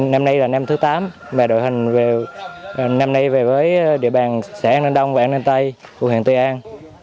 năm nay là năm thứ tám và đội hình năm nay về với địa bàn xã an ninh đông và an ninh tây của huyện tây an